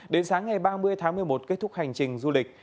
đến sáng ngày ba mươi tháng một mươi một kết thúc hành trình du lịch